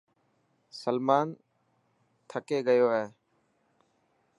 سلمان ٿڪي گيو هي.